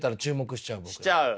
しちゃう？